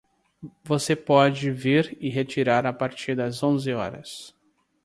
Você pode vir retirar a partir das onze horas.